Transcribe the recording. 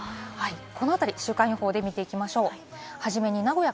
この辺りを週間予報で見ていきましょう。